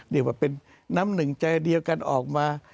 เรียกว่าเป็นน้ำหนึ่งใจเดียวกันออกมา